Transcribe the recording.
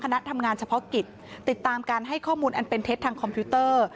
คณะทำงานเฉพาะกิจติดตามการให้ข้อมูลอันเป็นเท็จทางคอมพิวเตอร์